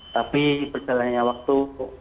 tapi berjalannya waktu